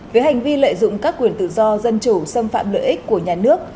với hành vi lợi dụng các quyền tự do dân chủ xâm phạm lợi ích của nhà nước